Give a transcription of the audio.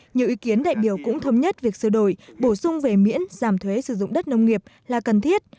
nhiều ý kiến đại biểu cũng thống nhất việc sửa đổi bổ sung về miễn giảm thuế sử dụng đất nông nghiệp là cần thiết